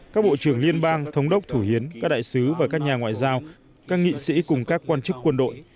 các bộ trưởng liên bang thống đốc thủ hiến các đại sứ và các nhà ngoại giao các nghị sĩ cùng các quan chức quân đội